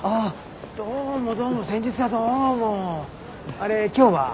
あれ今日は？